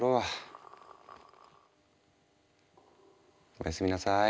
おやすみなさい。